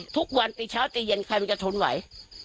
ทุกวันตีเช้าตีเย็นใครมันจะทนไหว